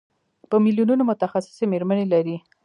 په میلیونونو متخصصې مېرمنې لري.